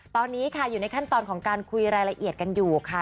ตอนนี้ค่ะอยู่ในขั้นตอนของการคุยรายละเอียดกันอยู่ค่ะ